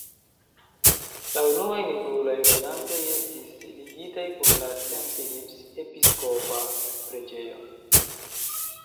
La unuaj nigrulaj loĝantoj estis ligitaj kun la St.-Philips-Episkopa-Preĝejo.